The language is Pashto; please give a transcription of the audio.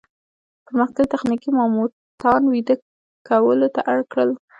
پرمختللي تخنیکونه ماموتان ویده کولو ته اړ کړل.